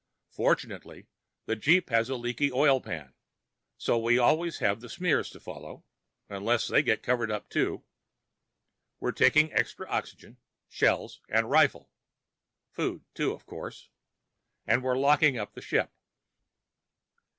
Fortunately, the jeep has a leaky oil pan, so we always have the smears to follow, unless they get covered up, too. We're taking extra oxygen, shells, and rifles. Food, too, of course. And we're locking up the ship.